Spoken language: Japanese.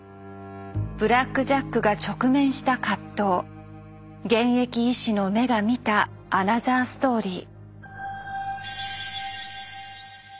「ブラック・ジャック」が直面した葛藤現役医師の目が見たアナザーストーリー。